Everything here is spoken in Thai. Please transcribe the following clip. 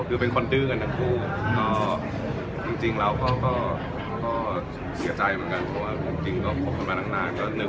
คือเป็นคนดื้อกันกันกูจริงเราก็เสียใจเหมือนกันเพราะว่าจริงก็พบกันมานาน